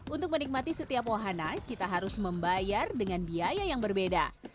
untuk menikmati setiap wahana kita harus membayar dengan biaya yang berbeda